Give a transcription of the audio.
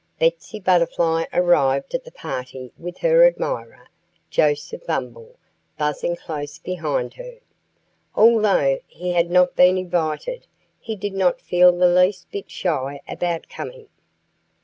Betsy Butterfly arrived at the party with her admirer, Joseph Bumble, buzzing close behind her. Although he had not been invited, he did not feel the least bit shy about coming.